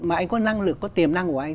mà anh có năng lực có tiềm năng của anh